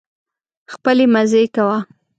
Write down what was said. خپلې مزې کوه.